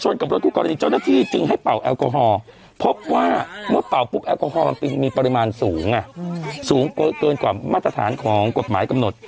นะฮะก็ออกมาแล้วก็ประกาศเลยบอกว่า